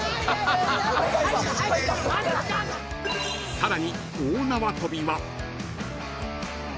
［さらに大縄跳びは］